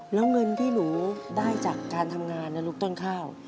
แล้วเงินที่หนูได้จากการทำงานนะลูกต้นข้าว